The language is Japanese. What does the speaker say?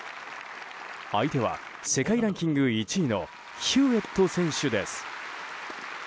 相手は、世界ランキング１位のヒューエット選手です。